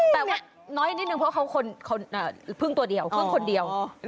แต่ว่าน้อยนิดนึงเพราะเขาพึ่งตัวเดียวพึ่งคนเดียว